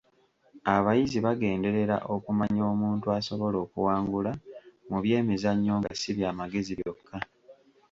Abayizi bagenderera okumanya omuntu asobola okuwangula mu by'emizannyo nga si by'amagezi byokka.